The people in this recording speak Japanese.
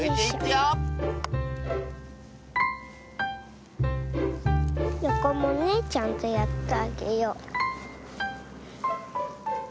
よこもねちゃんとやってあげよう。